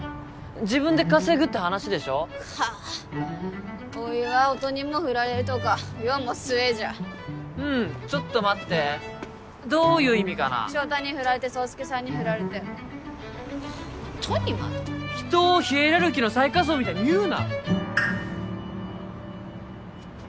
自分で稼ぐって話でしょはあおいは音にもフラれるとか世も末じゃうんちょっと待ってどういう意味かな翔太にフラれて爽介さんにフラれて音にまで人をヒエラルキーの最下層みたいに言うな！